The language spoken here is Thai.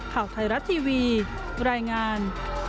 ข่าวไทยรัฐทีวีรายงาน